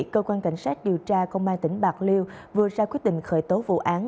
cơ quan cảnh sát điều tra công an tỉnh bạc liêu vừa ra quyết định khởi tố vụ án